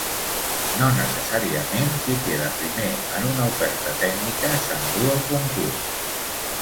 No necessàriament qui queda primer en una oferta tècnica s’endú el concurs.